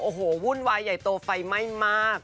โอ้โหวุ่นวายใหญ่โตไฟไหม้มาก